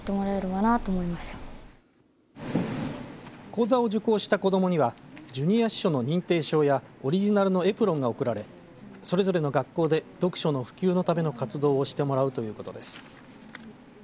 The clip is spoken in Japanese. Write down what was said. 講座を受講した子どもにはジュニア司書の認定証やオリジナルのエプロンが贈られそれぞれの学校で読書の普及のための活動をしてもらうということです。